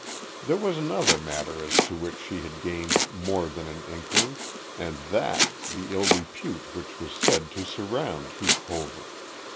There was another matter as to which she had gained more than an inkling, and that, the ill repute which was said to surround Heath Hover.